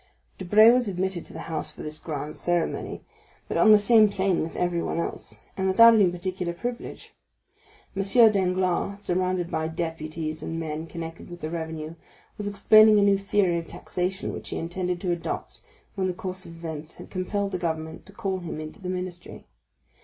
Debray was admitted to the house for this grand ceremony, but on the same plane with everyone else, and without any particular privilege. M. Danglars, surrounded by deputies and men connected with the revenue, was explaining a new theory of taxation which he intended to adopt when the course of events had compelled the government to call him into the ministry.